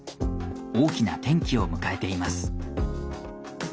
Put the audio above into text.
大きな転機を迎えています。